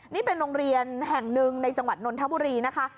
นี่เป็นโรงเรียนแห่งหนึ่งในจังหวัดนนทบุรีนะคะ